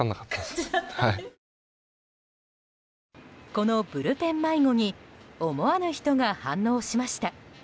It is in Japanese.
このブルペン迷子に思わぬ人が反応しました。